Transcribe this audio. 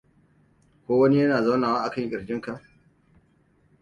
ko wani yana zaunawa a kan kirjinka?